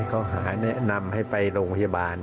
เขาหาแนะนำให้ไปโรงพยาบาล